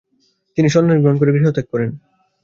তিনি সন্ন্যাস গ্রহণ করে গৃহত্যাগ করেন।